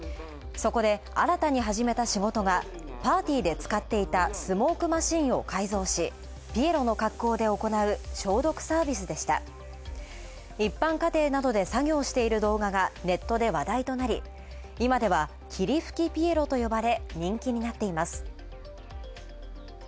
そこで新たに始めた仕事がパーティーで使っていたスモークマシンを改造し、ピエロの格好で行う消毒サービスでした一般家庭などで作業している動画がネットで話題となり、今では霧吹きピエロと呼ばれ人気になっています。